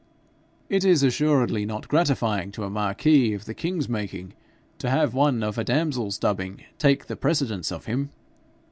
'It is assuredly not gratifying to a marquis of the king's making to have one of a damsel's dubbing take the precedence of him.